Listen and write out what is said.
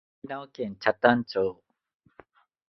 沖縄県北谷町